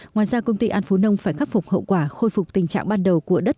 ngoài ra công ty an phú nông phải khắc phục hậu quả khôi phục tình trạng ban đầu của đất